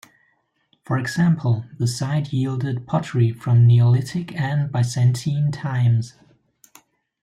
For example, the site yielded pottery from Neolithic and Byzantine times.